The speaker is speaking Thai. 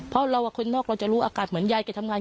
เพราะเราคนนอกเราจะรู้อากาศเหมือนยายแกทำงาน